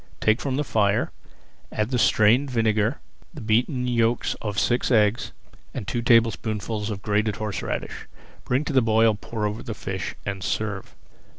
Take from the fire, add the strained vinegar, the beaten yolks of six eggs, and two tablespoonfuls of grated horseradish. Bring to the boil, pour over the fish, and serve.